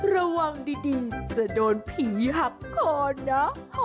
ระวังดีจะโดนผีหักคอเนอะ